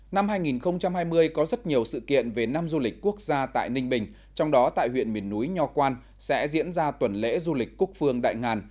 năm hai nghìn hai mươi có rất nhiều sự kiện về năm du lịch quốc gia tại ninh bình trong đó tại huyện miền núi nho quan sẽ diễn ra tuần lễ du lịch quốc phương đại ngàn